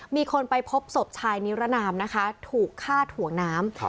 มีคนไปพบศพชายนิรนามนะคะถูกฆ่าถ่วงน้ำ